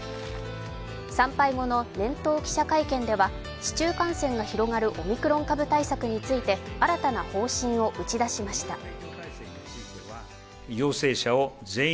参拝後の年頭記者会見では市中感染が広がるオミクロン株対策について新たな方針を打ち出しました。